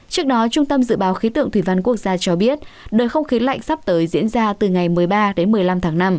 trước đó trung tâm dự báo khí tượng thủy văn quốc gia cho biết đợt không khí lạnh sắp tới diễn ra từ ngày một mươi ba đến một mươi năm tháng năm